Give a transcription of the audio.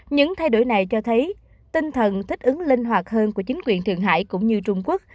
những thay đổi này cho thấy tinh thần thích ứng linh hoạt hơn của chính quyền thượng hải cũng như trung quốc